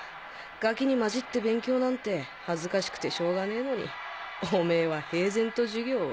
ガキに混じって勉強なんて恥ずかしくてしょがねのにオメーは平然と授業を。